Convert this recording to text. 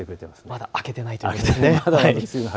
まだ明けていないということですね。